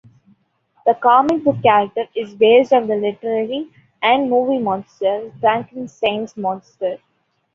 The comic book character is based on the literary and movie monster Frankenstein's monster.